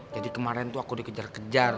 kemarin tuh aku dikejar kejar